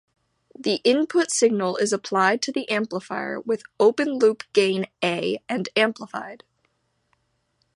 The input signal is applied to the amplifier with open-loop gain "A" and amplified.